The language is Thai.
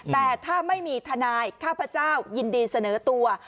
แต่ถ้าไม่มีทนายข้าพเจ้ายินดีเสนอตัว